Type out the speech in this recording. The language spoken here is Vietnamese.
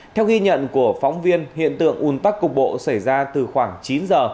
theo ghi nhận của phóng viên hiện tượng ùn tắc cục bộ xảy ra từ khoảng chín giờ